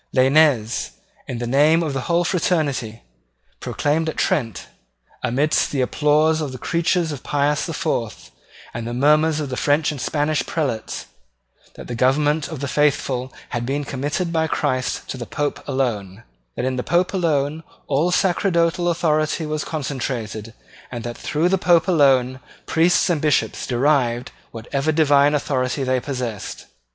Lainez, in the name of the whole fraternity, proclaimed at Trent, amidst the applause of the creatures of Pius the Fourth, and the murmurs of French and Spanish prelates, that the government of the faithful had been committed by Christ to the Pope alone, that in the Pope alone all sacerdotal authority was concentrated, and that through the Pope alone priests and bishops derived whatever divine authority they possessed.